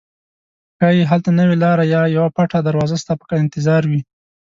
ښایي هلته نوې لاره یا یوه پټه دروازه ستا په انتظار وي.